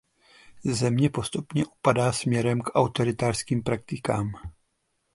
Země postupně upadá směrem k autoritářským praktikám.